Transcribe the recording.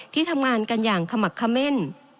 ที่ทำงานกันอย่างคะหมะคะเม่น